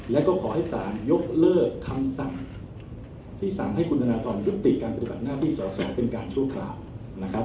แล้วก็ขอให้ศาลยกเลิกคำสั่งที่สั่งให้คุณธนทรยุติการปฏิบัติหน้าที่สอสอเป็นการชั่วคราวนะครับ